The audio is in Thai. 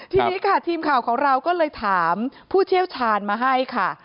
ทีนี้ค่ะทีมข่าวของเราก็เลยถามผู้เชี่ยวชาญมาให้ค่ะ